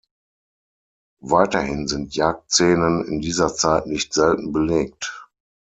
Weiterhin sind Jagdszenen in dieser Zeit nicht selten belegt.